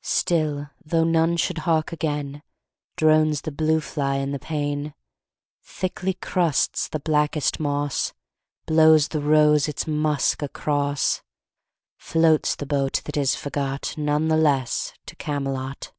Still, though none should hark again, Drones the blue fly in the pane, Thickly crusts the blackest moss, Blows the rose its musk across, Floats the boat that is forgot None the less to Camelot.